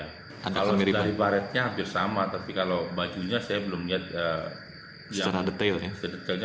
kalau dari baratnya hampir sama tapi kalau bajunya saya belum lihat secara detailnya